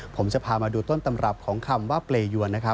ผมจะพามาดูต้นตำรับของคำว่าเปลยวร